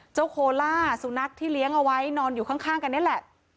โคล่าสุนัขที่เลี้ยงเอาไว้นอนอยู่ข้างกันนี่แหละ